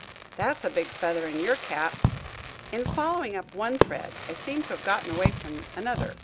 "That's a big feather in your cap." "In following up one thread I seem to have gotten away from another.